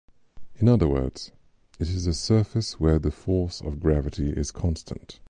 In other words, it is a surface where the force of gravity is constant.